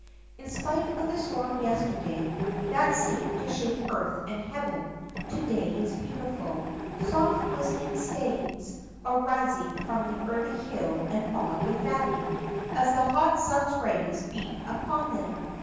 In spite of the storm yesterday, that seemed to shake earth and heaven, to day is beautiful. Soft glistening steams are rising from every hill and bog and valley, as the hot sun's rays beat upon them.